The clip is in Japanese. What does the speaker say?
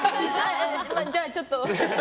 じゃあちょっと。